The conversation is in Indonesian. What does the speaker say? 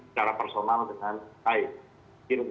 secara personal dengan baik